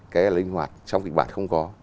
cái linh hoạt trong kịch bản không có